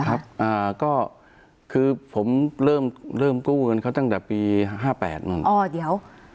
อ่าก็คือผมเริ่มเริ่มกู้เงินเขาตั้งแต่ปีห้าแปดมั้งอ๋อเดี๋ยว